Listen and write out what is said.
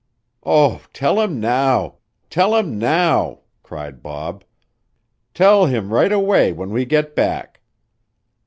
"Oh, tell him now! Tell him now!" cried Bob. "Tell him right away when we get back!"